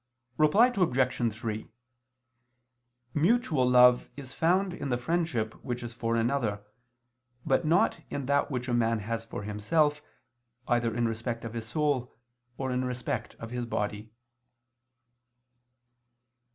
Reply Obj. 3: Mutual love is found in the friendship which is for another, but not in that which a man has for himself, either in respect of his soul, or in respect of his body.